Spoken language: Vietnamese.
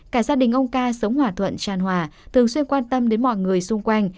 cả gia đình ông ca sống hòa thuận tràn hòa thường xuyên quan tâm đến mọi người xung quanh